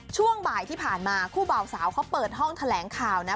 ช่วงบ่ายที่ผ่านมาคู่บ่าวสาวเขาเปิดห้องแถลงข่าวนะ